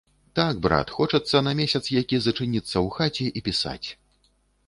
Так, брат, хочацца на месяц які зачыніцца ў хаце і пісаць.